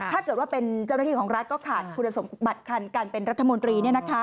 ถ้าเกิดว่าเป็นเจ้าหน้าที่ของรัฐก็ขาดคุณสมบัติคันการเป็นรัฐมนตรี